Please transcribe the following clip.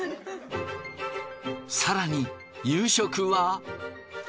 更に夕食は。